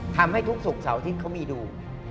ทำให้ทุกศุกร์เสาร์อาทิตย์เขามีดู